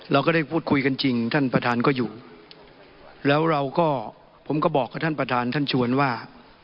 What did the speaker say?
เราก็ได้พูดคุยกันจริงท่านประธานก็อยู่แล้วเราก็ผมก็บอกกับท่านประธานท่านชวนว่า